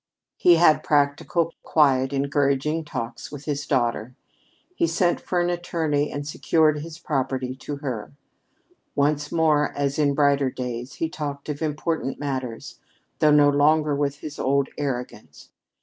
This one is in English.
He had practical, quiet, encouraging talks with his daughter. He sent for an attorney and secured his property to her. Once more, as in his brighter days, he talked of important matters, though no longer with his old arrogance.